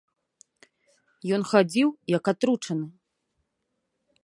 Ён хадзіў, як атручаны.